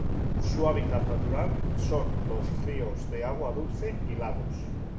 Su hábitat natural son los ríos de agua dulce y lagos.